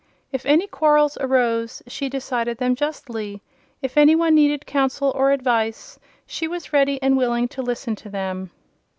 If any quarrels arose she decided them justly; if any one needed counsel or advice she was ready and willing to listen to them.